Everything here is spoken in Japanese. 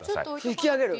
拭き上げる？